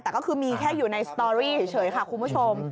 แต่ก็คือมีแค่อยู่ในสตอรี่เฉยค่ะคุณผู้ชม